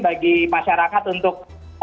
bagi masyarakat untuk